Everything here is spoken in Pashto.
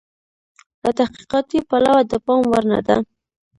له تحقیقاتي پلوه د پام وړ نه ده.